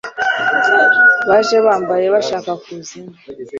Baje bambaye bashaka kuza ino